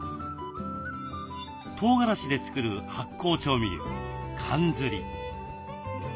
とうがらしで作る発酵調味料かんずり。